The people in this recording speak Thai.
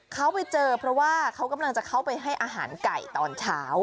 เขาไปเจอเพราะว่าเขากำลังจะเข้าไปให้อาหารไก่ตอนเช้า